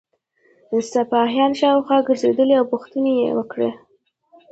سپاهیان شاوخوا ګرځېدل او پوښتنې یې وکړې.